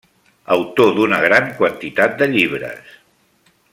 Autor d'una gran quantitat de llibres.